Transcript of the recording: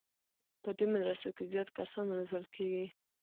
په دې مدرسو کې زیات کسان روزل کېږي.